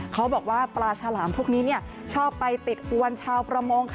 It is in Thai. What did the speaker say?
เขาบอกว่าปลาฉลามพวกนี้ชอบไปติดอวนชาวประมง